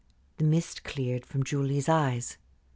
The mist cleared from Julie's eyes.